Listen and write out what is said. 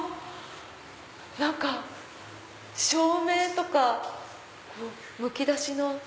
何か照明とかむき出しの。